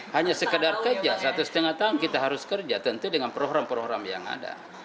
hanya sekedar kerja satu setengah tahun kita harus kerja tentu dengan program program yang ada